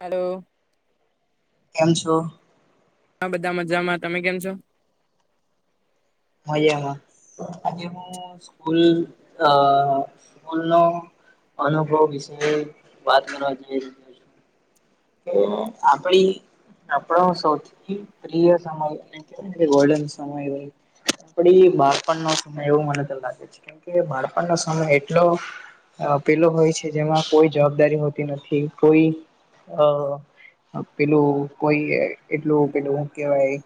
Hello કેમ છો અ બધા મજામાં તમે કેમ છો [unintelligible] આજે હું સ્કૂલ અ સ્કૂલ નો અનુભવ વિશે વાત કરવા જઈ [unintelligible] કે આપડી આપડો સૌથી પ્રિય સમય ગોલ્ડન સમય હોય આપડી બાળપણ નો સમય એવું મને તો લાગે છે કેમ કે બાળપણનો સમય એટલો પેલો હોય છે જેમાં કોઈ જવાબદારી હોતી નથી કોઈ હ પેલું કોઈ એટલું પેલું હું કેવાય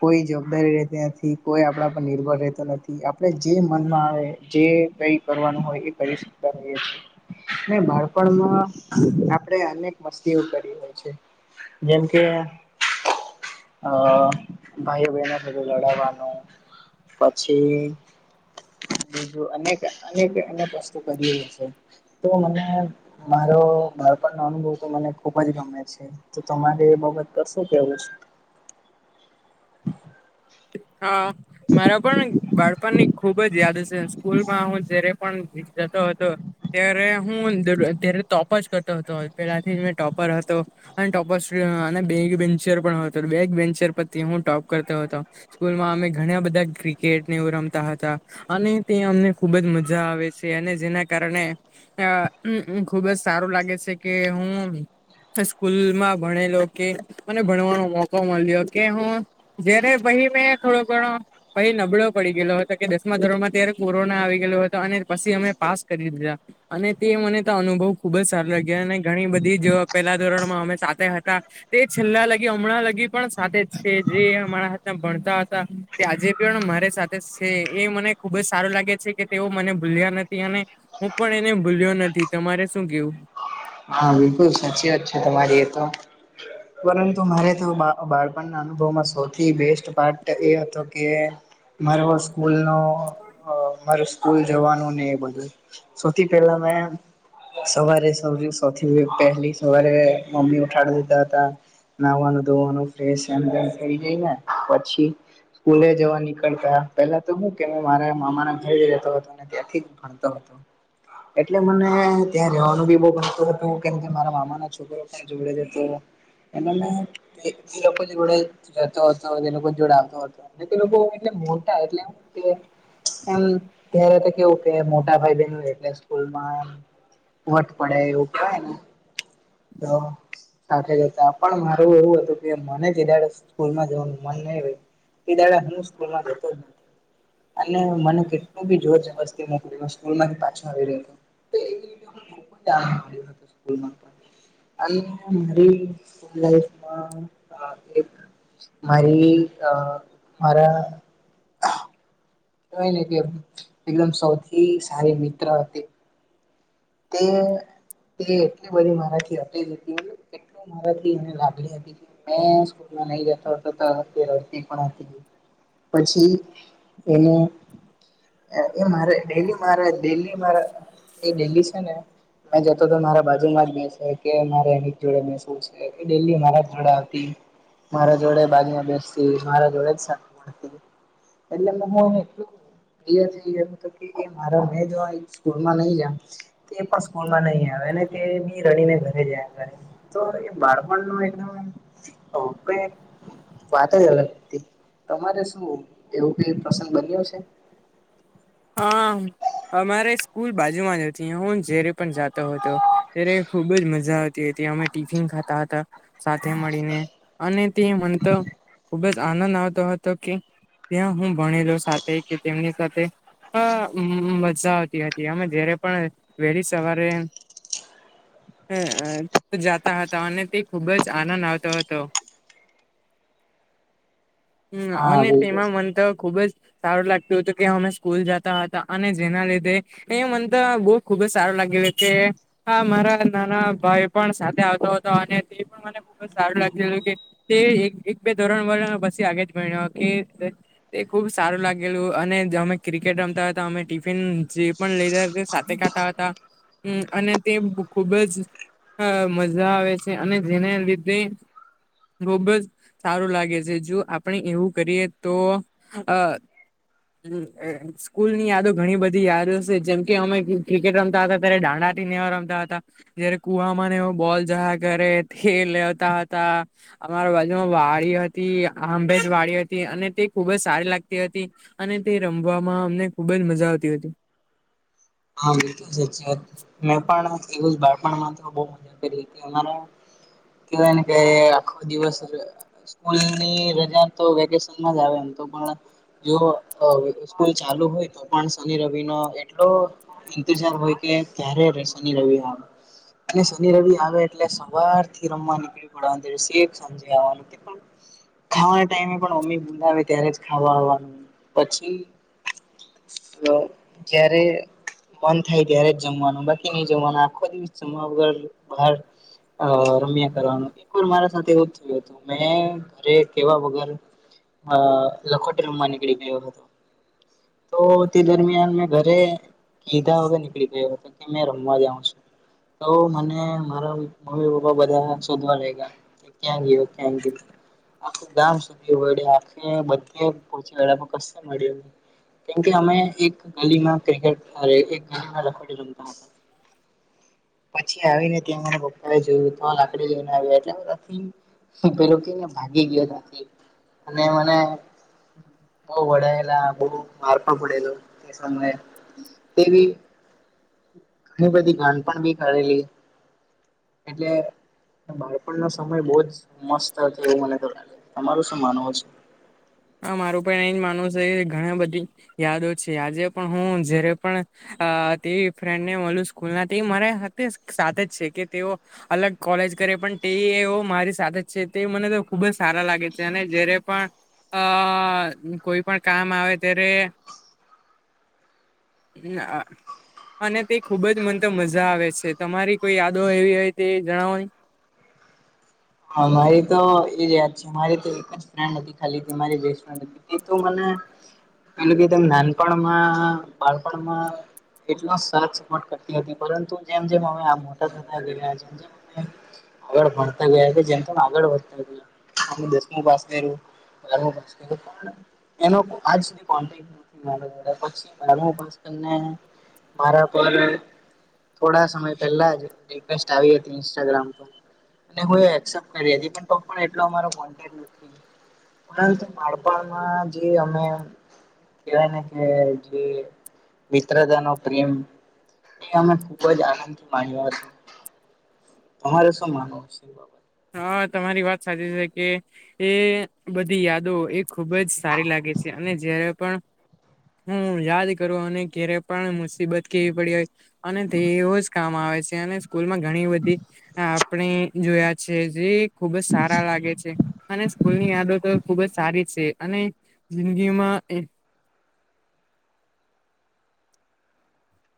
કોઈ જવાબદારી રહેતી નથી કોઈ આપણા પર નિર્ભર રહેતો નથી આપણે જે મનમાં આવે જે કઈ કરવાનું હોય એ કરી શકતા હોઈએ છીએ ને બાળપણમાં આપણેે અનેક મસ્તીઓ કરી હોય છે. જેમ કે અ ભાઈઓ બહેનો સાથે લડાવવાનું પછી અનેક અનેક અનેક વસ્તુ કરીએ છે તો મને મારો બાળપણનો અનુભવ તો મને ખુબજ ગમે છે. તો તમારે એ બાબત પર શું કેવું છે હા મારા પણ બાળપણ ની ખુબ જ યાદ છે. સ્કૂલમાં હું જ્યારે પણ જતો હતો ત્યારે હું તોપ જ કરતો હતો પેલાથી જ મેં ટોપર હતો. અને ટોપ [unintelligible] અને બેકબેન્ચર પણ હતો બેકબેન્ચર પરથી હું ટોપ કરતો હતો. સ્કૂલમાં અમે ઘણા બધા ક્રિકેટ ને એવું રમતા હતા અને તે અમને ખુબ જ મજા આવે છે અને જેના કારણે અ ખુબ જ સારું લાગે સે કે હું સ્કૂલમાં ભણેલો કે મને ભણવાનો મોકો મળ્યો કે હું જ્યારે પહી મે થોડો ઘણો પહિ નબળો પડી ગેલો હતો કે દસમા ધોરણમાં ત્યાંરે કોરોના આવી ગેલો હતો અને પસી અમે પાસ કરી દીધા અને તે મને તો અનુભવ ખુબ જ સારો લાગ્યો અને ઘણી બધી જ પેલા ધોરણમાં અમે સાથે હતા તે છેલ્લા લગી હમણાં લગી પણ સાથે જ છે જે અમારા ભણતા હતા તે આજે પણ મારી સાથે સે એ મને ખુબ જ સારું લાગે છે કે તેઓ મને ભૂલ્યા નથી હું પણ એને ભૂલ્યો નથી તમારે શું કેવું હા બિલકુલ સાચી વાત છે તમારી એ તો પરંતુ મારે તો બા બાળપણના અનુભવમાં સૌથી બેસ્ટ પાર્ટ એ હતો કે મારો સ્કૂલ નો મારો સ્કુલ જવાનું ને બધું, સૌથી પહેલા મે સવારે સૌથી પહેલી સવારે મમ્મી ઉઠાડી દીધા હતા. નાવાનું ધોવાનું ફ એમ થ જાયને, પછી સ્કૂલે જવા નીકળતા પેલા તો હું કે મેં મારા મામાના ઘરે રતો હતો અને ત્યાંથી જ તો હતો, એટલે મને ત્યાં રવાનું બી બહ ગણતું હતું. કેમ કે મારા મામા ના છોકરો પણ જોડે છે તો એનાને એ લોકો જોડે રહેતો હતો એ લોકો જોડે આવતો હતો. અને તો લોકો એટલે મોટા એટલે એમું કે એમ ત્યારે તો કેવું કે મોટા ભાઈ બન એટલે સ્કૂલમાં એ વટ પડે એવું કાય ને, તો સાથે જતા પણ મારું એવું હતું કે મને જ સ્કૂલમાં જવાનું મન નહી હોય. બીધા હ સ્કૂલમાં જતો જ નથી. અને મને કેટલું બી જોર જબસ્તી મોકલ્યું સ્કૂલ માંથી પાછો આવી રહ્યો હતો. તો એ રી ખ જ જા મળ્યું હત સ્કૂલ પણ [unintelligible] [unintelligible] મારી અ મારા એવાય ને કે એકદમ સૌથી સારી મિત્ર હતી. તે તે એટલી બધી મારાથી હતી. મારાથીને લાગલી હતી મેકૂલમાં નહી જતો રડતી પણ હતી. પછી એને એ મારે ડેલી મારે ડેલી મારે એ ડેલી છે ને. મેં જતો તો મારા બાજુમાં જ બેસે કે મારે એની જોડે મેસું છે ડેલી મારા જોડે હતી. મારા જોડે બાજુમાં બેસતી મારા જોડે જતી. એ મોટ [unintelligible] મારો મેં જો સ્કૂલમાં નહી જામ. તે પણ સ્કૂલમાં નહી આવે અને તે બી રણીને ઘરે જયા કરે. તો એ બાળપણ ન એકદમ વાત જ અલગ, તમારે શું એવું કઈ પ્રસંગ બન્યો છે? હા અમારે સ્કૂલ બાજુમાં જ હું રી પણ જાતો હતો. ત્યારે ખુબ જ મજા આવતી હતી અમે ટિફિન ખાતા હતા. સાથે મળીને, અને તે મનેતો ખુબ જ આનંદ આવતો હતો કે ત્યાં હું ભણેલો સાથે કે તેમની સાથે અ મજા આવતી હતી અમે જયારે પણ વહેલી સવારે જાતા હતા અને તે ખુબ જ આનંદ આવતો હતો. [inaudible] હમ હા અને બિલકુલ તેમાં મન તો ખુબ જ સારું લાગતું હતું કે હમે સ્કૂલ જતા હતા અને જેના લીધે, એ મન તો બહ ખુબ જ સારું લાગ કે હા મારા નાના ભાઈ પણ સાથે આવતો હતો અને તે પણ મને ખુબ જ સારું લાગતું હતું કે તે એક એક બે ધોરણ વર પી આગે જ ભણ કે તે ખુબ સારું લાગેલું અને અમે ક્રિકેટ રમતા હતા અમે ટિફિન જે પણ લઈધા સાથે ખાતા હતા. હમ અને તે ખુબ જ અ મજા આવે છે અને જેના લીધે. ખુબ જ સારું લાગે છે જો આપણે એવું કરીએ તો અ હમ્મ એ જ. સ્કૂલ ની યાદો ઘણી બધી યાદ છે જેમ કે અમે ક્રિકેટ રમતા હતા ત્યારે દાંડા થીનેવા રમતા હતા. જયારે કુવામાં એ બોલ જહા કરે તે લેતા હતા. અમારા બાજુમાં વાડી હતી આંબેજ વાડી હતી અને તે ખુબ જ સારી લાગતી હતી. અને તે રમવામાં અમને ખુબ જ મજા આવતી હતી. હા મિત્ર સાચી વાત, મેં પણ [unintelligible] બાળપણ માં તો બોવ કરો તી અમારા કેવાય ને કે આખો દિવસ જ સ્કૂલ ની રજા તો વેકેશનમાં જ આવે તો પણ જો અહ સ્કૂલ ચાલુ હોય તો પણ શનિ રવિ નો એટલો ઇંતજાર હોય કે ક્યારે ર શનિ રવિ આવે. અને શનિ રવિ આવે એટલે સવાર થી રમવા નીકળી પડવા [inaudible] [unintelligible] ખાવાના ટાઈમે પણ મમ્મી બોલાવે આવે ત્યારે જ ખાવા આવવાનું, પછી અહ જ્યારે મન થાય ત્યારે જ જમવાનું, બાકી નહીં જમવાનું, આખો દિવસ જમવા વગર બહાર અહ રમ્યા કરવાનું, એક વાર મારા સાથે એવું જ થયું તું, મેં ઘરે કહેવા વગર અહ લખોટી રમવા નીકળી ગયો હતો. તો તે દરમિયાન મેં ઘરે કીધા વગર નીકળી ગયો હતો કે મેં રમવા જાઉં છું. તો મને મારા મમ્મી પપ્પા બધા શોધવા લાયગા. કે ક્યાં ગયો, ક્યાં ગયો આખું ગામ શોધી વળ્યા આખે બધે પહોંચી વળ્યા પણ કશે મળ્યો નહીં. કેમકે અમે એક ગલીમાં ક્રિકેટ, અરે એક ગલીમાં લખોટી રમતા હતા. પછી આવી ને ત્યાં મારા પપ્પા જોયું તો લાકડી લઈને આવ્યા એટલે બધા [unintelligible] પેલું કેને ભાગી ગયો ત્યાંથી, અને મને બહુ વડાયેલા બહુ માર પણ પડેલો એ સમયે. તે બી ઘણી બધી ગાંડપણ બી કરેલી. એટલે ને બાળપણનો સમય બહુ જ મસ્ત હતો, એવું મને તો લાગે છે. તમારું શું માનવું છ હા મારું પણ એ જ માનું છે, ઘણી બધી યાદો છે. આજે પણ હું જ્યારે પણ અહ તે ફ્રેન્ડ ને મલું સ્કૂલ ના તે મારા હાથે સાથે જ છે કે તેઓ અલગ કોલેજ કરે પણ તેવી એવો મારી સાથે જ છે, તે મને તો ખુબ જ સારા લાગે છે, અને જ્યારે પણ અહ કોઈ પણ કામ આવે ત્યારે ના અહ અને તે ખુબ જ મન તો મજા આવે છે. તમારી કોઈ યાદો એવી હોય તે જણાવોને. હા મારી તો એજ યાદ છે. મારી તો એક જ ફ્રેન્ડ હતી ખાલી જે મારી બેસ્ટ ફ્રેન્ડ હત ઈ તો મને પેલું કેત અમ નાનપણમાં, બાળપણમાં કેટલો સરસ સપોર્ટ કરતી હતી પરંતુ જેમ-જેમ હવે આ મોટા થતા ગયા, જેમ-જેમ હવે આગળ ભણતા ગયા કે જેમ-જેમ આગળ વધતા ગયા, અમે દસમું પાસ કયરું, બારમુ પાસ કયરું પણ એનો આજ સુધી કોન્ટેક્ટ નથી [inaudible] પછી બારમું પાસ કરીને મારા પણ થોડા સમય પહેલા જ રિક્વેસ્ટ આવી હતી ઇન્સ્ટાગ્રામ પર, અને હું એ એક્સેપ્ટ કરી હતી પણ તો પણ અમારો એટલો કોન્ટેક્ટ નથી. પરંતુ બાળપણમાં જે અમે કેવાય ને કે જે મિત્રતા નો પ્રેમ તે અમે ખુબ જ આનંદ માણ્યો હતો. તમારે શું માનવું છે એ બાબત હા તમારી વાત સાચી છે, કે એ બધી યાદો એ ખુબ જ સારી લાગે છે, અને જયારે પણ હું યાદ કરું અને કેરે પણ મુસ ઈબત કેવી પડી હોય, અને તેવો જ કામ આવે છે, અને સ્કૂલમાં ઘણી બધી અહ આપણે જોયા જ છે, જે ખુબ જ સારા લાગે છે, અને સ્કૂલની આદતો ખુબ જ સારી છે, અને જિંદગીમાં એક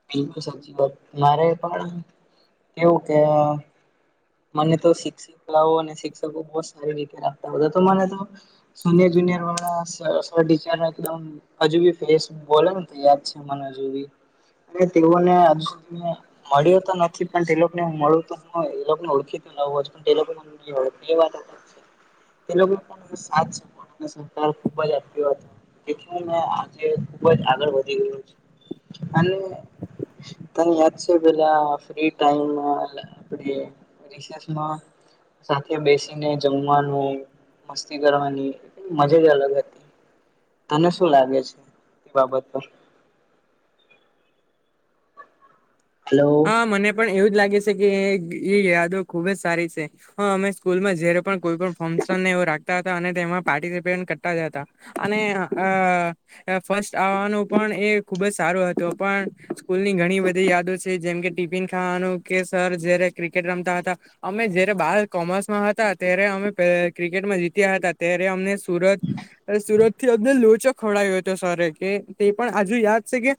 [unintelligible] સાચી વાત મારે પણ એવું કે મને તો શિક્ષિકાઓ અને શિક્ષકો બહ સારી રીતે રાખતા હતા તો મને તો સોનિયર જુનિયર વાળા સર ટીચર એકદમ હજુ બી ફેસ બોલે ને તો યાદ છે મને હજુ બી એ તેુંને આજ સુધી મળ્યો તો નથી પણ તે લોકોને હું મળું તો હું એ લોકોને ઓળખી તો લાવું છુ પણ તે લોકો એ વાત હાચી છેં એ લોકો પણ સાથ સાથ અને સત્કાર ખુબ જ આપ્યો હતો તેથી મે આજે ખુબ જ આગળ વધી ગું અને તને યાદ છે પેલા ફ્રી ટાઈમ મા રીસેસમાં સાથે બેસીને જમવાનું મસ્તી કરવાની મજા જ અલગ હતી તને શું લાગે છે તે બાબત પર હલો. હા મને પણ એવું જ લાગે છે કે એ યાદો ખુબ જ સારી છે હા અમે સ્કૂલમાં જયારે પણ કોઈ પણ ફંક્શનને એ રાખતા હતા અને તેમાં પાર્ટિસિપેટ કરતા જ હતા અને આ ફસ્ટ આવવાનું પણ એ ખુબ જ સારો હતો પણ સ્કૂલની ઘણી બધી યાદો જેમ કે ટિફિન ખાવાનું કે સર જયારે ક્રિકેટ રમતા હતા અમે જયારે બાર કોમર્સમાં હતા ત્યારે અમે ક્રિકેટમાં જીત્યા હતા ત્યારે અમને સુરત અ સુરત થી અને લોચો ખવડાય્યો હતો સર કે તે પણ આજુ યાદ છે કે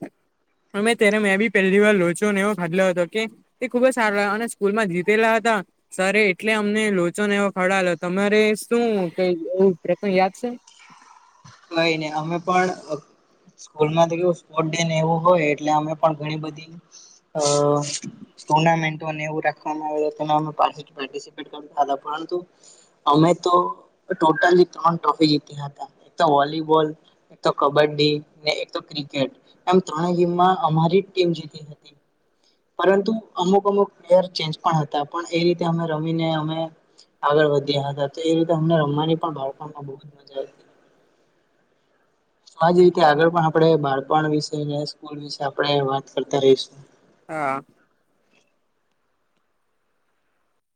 અને ત્યારે મેં બી પહેલી વાર લોચો એવો ફાદલો હતો કે તે ખુબ જ સારો અને સ્કૂલ માં જીતેલા હતા સર એટલે અમને લોચોને એવો ખડલો તમારે શું કઈ એવું પ્રકરણ યાદ છે નહીં નહી અમે પણ સ્કૂલમાં તો કે સ્પોર્ટ ડેને એવું હોય એટલે અમે પણ ઘણી બધી અ ટુર્નામેન્ટોને એવું રાખવામાં આવેલુ હતુ અને અમે પાર્ટીસીપન્ટ કરિયું પરંતુ અમે તો ટોટલી ત્રણ ટ્રોફી જીત્યા હતા એક તો વોલીબોલ એક તો કબડ્ડી એક તો ક્રિકેટ એમ ત્રણે ગીમમાં અમારી ટીમ જીતી હતી પરંતુ અમુક અમુક પ્લેયર ચેન્જ પણ હતા પણ એ રીતે અમે રમીને અમે આગળ વધ્યા હતા તો એ રીતે અમને રમવાની પણ બાળપણમાં બહુ જ મજા તો આજ રીતે આગળ પણ આપણે બાળપણ વિશે સ્કૂલ વિશે આપણે વાત કરતા રહીશું હા